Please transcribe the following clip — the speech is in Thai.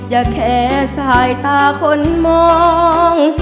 อย่าแค่สายตาคนมอง